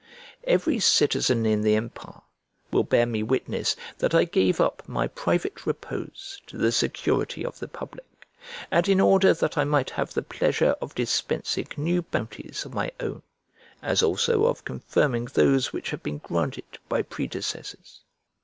Every citizen in the empire will bear me witness that I gave up my private repose to the security of the public, and in order that I might have the pleasure of dispensing new bounties of my own, as also of confirming those which had been granted by predecessors.